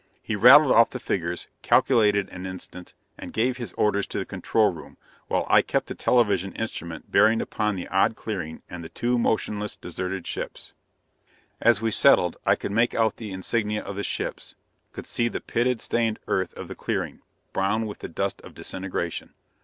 He rattled off the figures, calculated an instant, and gave his orders to the control room, while I kept the television instrument bearing upon the odd clearing and the two motionless, deserted ships. As we settled, I could make out the insignia of the ships, could see the pitted, stained earth of the clearing, brown with the dust of disintegration.